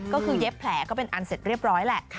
ก็คือเย็บแผลก็เป็นอันเสร็จเรียบร้อยแหละ